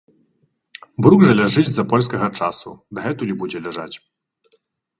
Брук жа ляжыць з-за польскага часу дагэтуль і будзе ляжаць!